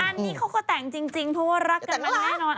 นี้เขาก็แต่งจริงเพราะว่ารักกันมาแน่นอน